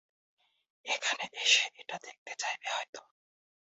এখানে এসে এটা দেখতে চাইবে হয়তো।